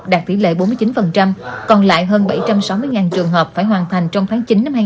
đạt tỷ lệ bốn mươi chín còn lại hơn bảy trăm sáu mươi trường hợp phải hoàn thành trong tháng chín năm hai nghìn hai mươi